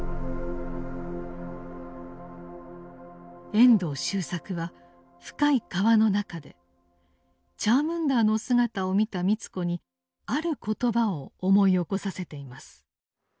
遠藤周作は「深い河」の中でチャームンダーの姿を見た美津子にある言葉を思い起こさせています。